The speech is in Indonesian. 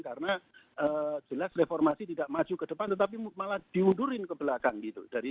karena jelas reformasi tidak maju ke depan tetapi malah diundurin ke belakang gitu